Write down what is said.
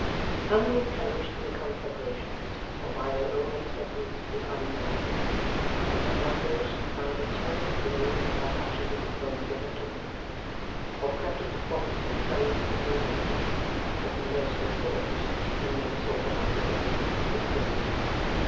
How many perished in the conflagrations, or by their own excesses, is unknown; but that numbers found a terrible grave in the hot ashes of the flames they had kindled, or crept into vaults and cellars to drink in secret or to nurse their sores, and never saw the light again, is certain.